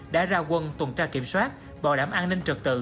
đã ra quân tuần tra kiểm soát bảo đảm an ninh trật tự